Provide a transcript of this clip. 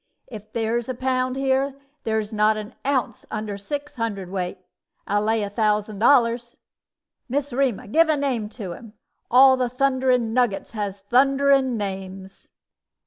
If there's a pound here, there's not an ounce under six hundred weight, I'll lay a thousand dollars. Miss Rema, give a name to him. All the thundering nuggets has thundering names."